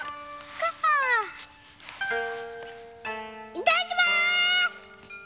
いただきます！